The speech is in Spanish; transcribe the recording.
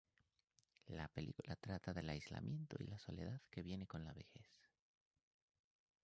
La película trata del aislamiento y la soledad que viene con la vejez.